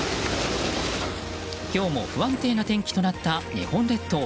今日も不安定な天気となった日本列島。